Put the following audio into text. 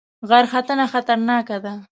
غرختنه خطرناکه ده؟